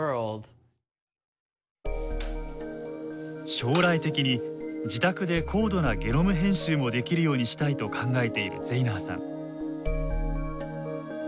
将来的に自宅で高度なゲノム編集もできるようにしたいと考えているゼイナーさん。